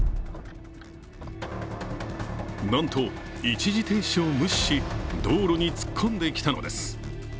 なんと一時停止を無視し、道路に突っ込んできたのです。